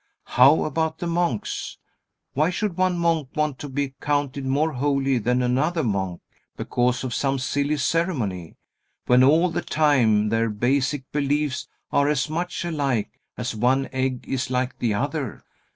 How about the monks? Why should one monk want to be accounted more holy than another monk because of some silly ceremony, when all the time their basic beliefs are asnmuch alike as one egg is like the other?